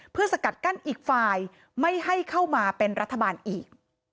เพื่อสกัดกั้นอีกฝ่ายไม่ให้เข้ามาเป็นรัฐบาลอีก